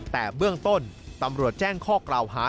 แต่เบื้องต้นตำรวจแจ้งข้อกล่าวหา